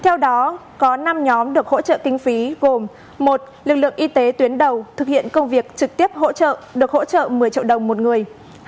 theo đó có năm nhóm được hỗ trợ kinh phí gồm một lực lượng y tế tuyến đầu thực hiện công việc trực tiếp hỗ trợ được hỗ trợ một mươi triệu đồng một người